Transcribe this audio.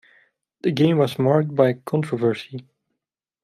The game was marked by controversy.